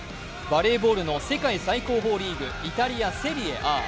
バレーボールの世界最高峰リーグ、イタリア・セリエＡ。